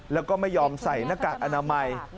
แล้วก็ไม่ยอมใส่หน้ากากอนามัย